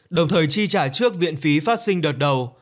đồng thời chi trả trước viện phí phát sinh đợt đầu